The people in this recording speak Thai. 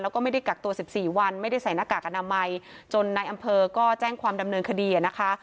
แล้วก็ไม่ได้กักตัว๑๔วันไม่ได้ใส่หน้ากากอนามัยจนในอำเภอก็แจ้งความดำเนินคดีนะคะ